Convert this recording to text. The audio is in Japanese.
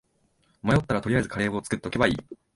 迷ったら取りあえずカレー作っとけばいい